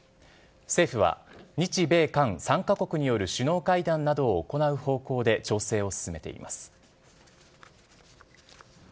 政府は、日米韓３か国による首脳会談などを行う方向で調整を進めています。